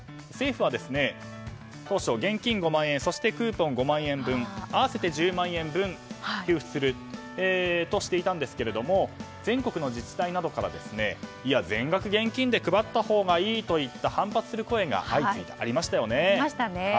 政府は当初、現金５万円そしてクーポン５万円分合わせて１０万円分給付するとしていたんですけれど全国の自治体などからいや、全額現金で配ったほうがいいといった反発する声が相次いだということがありましたよね。